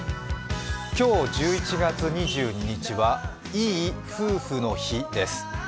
今日、１１月２２日はいい夫婦の日です。